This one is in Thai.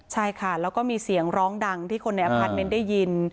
ใช่ค่ะแล้วก็มีเสียงร้องดังที่คนในอพาร์ทเมนต์ได้ยิน